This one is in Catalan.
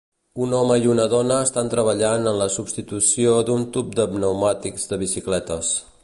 Un home i una dona estan treballant en la substitució d'un tub de pneumàtics de bicicletes